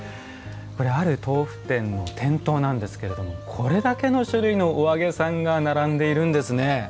これある豆腐店の店頭なんですけれどもこれだけの種類のお揚げさんが並んでいるんですね。